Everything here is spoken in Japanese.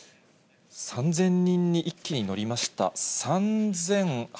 ３０００人に一気に乗りました。